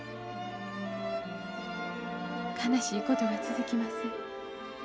悲しいことが続きます。